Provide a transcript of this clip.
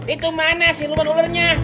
itu mana sirupan ulernya